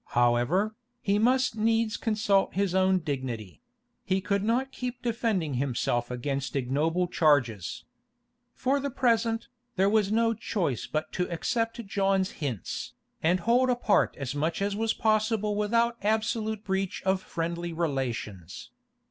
However, he must needs consult his own dignity; he could not keep defending himself against ignoble charges. For the present, there was no choice but to accept John's hints, and hold apart as much as was possible without absolute breach of friendly relations.